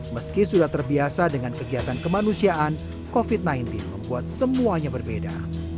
meski sudah terbiasa dengan kegiatan kemanusiaan covid sembilan belas membuat semuanya berbeda